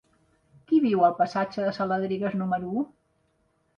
Qui viu al passatge de Saladrigas número u?